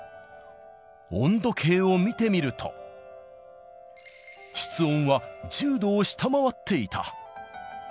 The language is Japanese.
温度計を見てみると、室温は１０度を下回っていた。